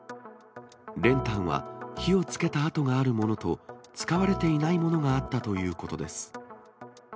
練炭は火をつけた跡があるものと、使われていないものがあったということです。